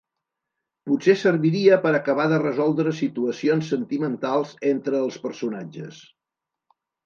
Potser serviria per acabar de resoldre situacions sentimentals entre els personatges.